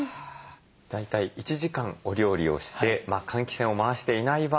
大体１時間お料理をして換気扇を回していない場合